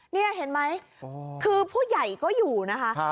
นี่เห็นไหมคือผู้ใหญ่ก็อยู่นะคะ